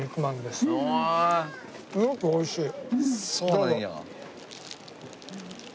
すごくおいしい。